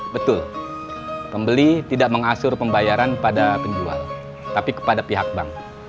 betul pembeli tidak mengasur pembayaran pada penjual tapi kepada pihak bank